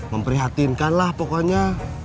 memprihatinkan lah pokoknya